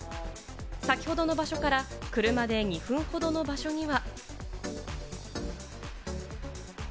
先ほどの場所から車で２分ほどの場所には。